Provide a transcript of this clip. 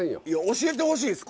教えてほしいです。